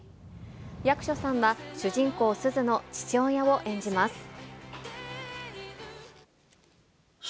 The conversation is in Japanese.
役所さんは、主人公、すずの父親を演じます。